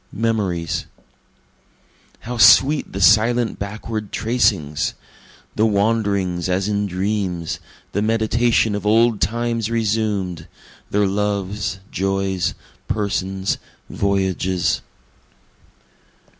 Memories How sweet the silent backward tracings! The wanderings as in dreams the meditation of old times resumed their loves, joys, persons, voyages.